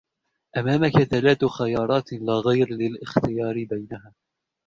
أمامك ثلاث خيارات لا غير للاختيار بينها.